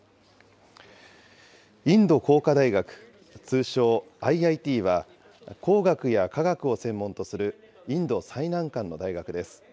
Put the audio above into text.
インド工科大学、通称ＩＩＴは、工学や科学を専門とするインド最難関の大学です。